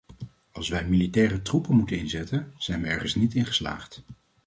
Als wij militaire troepen moeten inzetten, zijn we ergens niet in geslaagd.